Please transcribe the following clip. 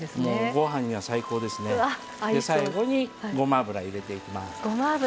最後にごま油入れていきます。